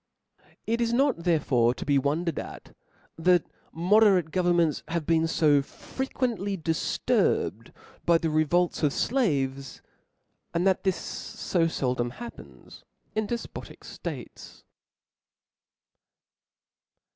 It is not therefore to be wondered at, that mo derate governments have been fo frequently di fturbed by the revolts of flaves ; and that this lb fcldom happens in * defpotic ftates.